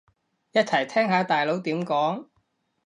一齊聽下大佬點講